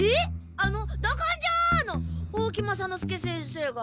あの「ドコンジョー！」の大木雅之助先生が？